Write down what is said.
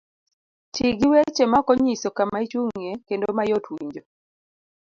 Ti gi weche maok onyiso kama ichung'ye kendo mayot winjo.